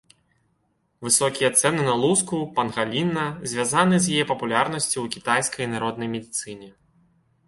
Высокія цэны на луску пангаліна звязаны з яе папулярнасцю ў кітайскай народнай медыцыне.